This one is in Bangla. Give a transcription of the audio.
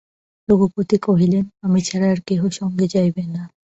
রঘুপতি কহিলেন, আমি ছাড়া আর কেহ সঙ্গে যাইবে না।